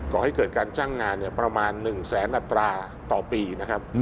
ก่อให้เกิดการจ้างงานประมาณ๑แสนอัตราต่อปีนะครับ